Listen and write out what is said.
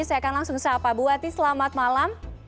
saya akan langsung siapa bu wati selamat malam